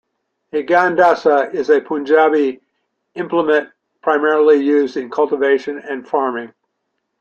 A 'Gandasa' is a Punjabi implement primarily used in cultivation and farming.